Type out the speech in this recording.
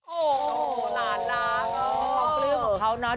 โอ้โหหลานล้าง